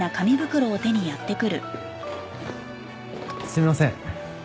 すみません。